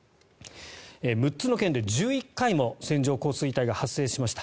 ６つの県で１１回も線状降水帯が発生しました。